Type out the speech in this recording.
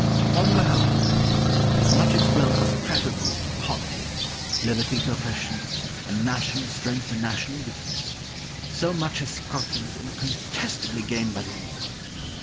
Upon the whole, as much as wealth is preferable to poverty, liberty to oppression, and national strength to national weakness, so much has Scotland incontestably gained by the union.